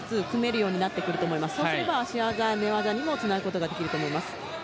そうすれば足技寝技にもつなげることができると思います。